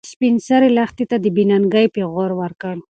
سپین سرې لښتې ته د بې ننګۍ پېغور ورکړ.